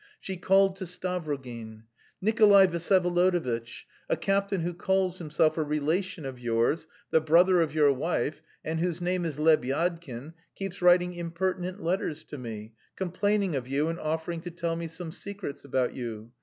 She called to Stavrogin. "Nikolay Vsyevolodovitch, a captain who calls himself a relation of yours, the brother of your wife, and whose name is Lebyadkin, keeps writing impertinent letters to me, complaining of you and offering to tell me some secrets about you.